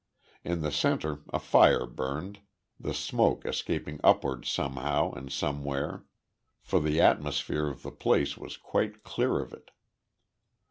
In the centre a fire burned, the smoke escaping upwards somehow and somewhere, for the atmosphere of the place was quite clear of it.